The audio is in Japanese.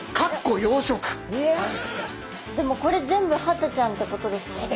でもこれ全部ハタちゃんってことですもんね。